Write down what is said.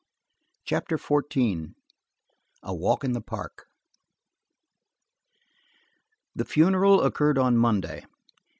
CHAPTER XIV A WALK IN THE PARK THE funeral occurred on Monday.